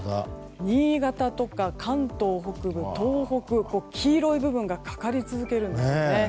新潟とか関東北部、東北黄色い部分がかかり続けるんですね。